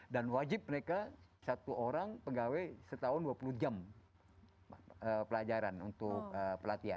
dan wajib mereka satu orang pegawai setahun dua puluh jam pelajaran untuk pelatihan